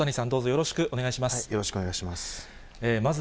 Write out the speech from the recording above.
よろしくお願いします。